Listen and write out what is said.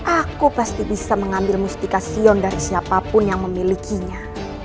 aku pasti bisa mengambil mustika sion dari siapapun yang memilikinya